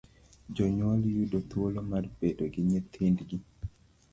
Jonyuol yudo thuolo mar bedo gi nyithindgi.